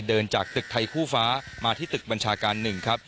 เดินจากตึกไทยคู่ฟ้ามาที่ตึกบัญชาการหนึ่งครับ